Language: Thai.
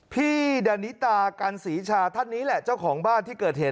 พี่ดานิตากันศรีชาท่านนี้แหละเจ้าของบ้านที่เกิดเหตุ